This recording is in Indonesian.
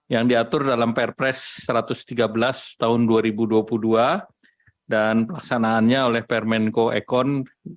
yang diatur dalam pr press satu ratus tiga belas tahun dua ribu dua puluh dua dan pelaksanaannya oleh permenko ekon tujuh belas dua ribu dua puluh dua